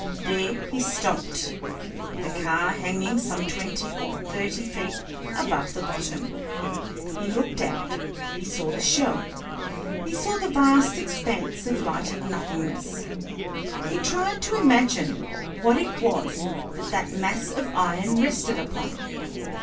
There he stopped, the car hanging some twenty or thirty feet above the bottom. He looked out, he saw the shell, he saw the vast expanse of lighted nothingness, he tried to imagine what it was that that mass of iron rested upon.